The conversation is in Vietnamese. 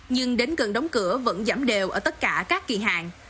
nhưng đến gần đóng cửa vẫn giảm đều ở tất cả các kỳ hạn